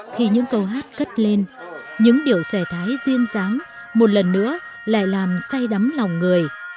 khi những câu hát cất lên những điều xòe thái duyên dáng một lần nữa lại làm say đắm lòng người